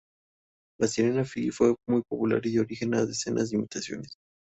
La sirena Fiyi fue muy popular y dio origen a decenas de imitaciones.